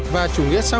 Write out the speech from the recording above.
và chủ nghĩa sáng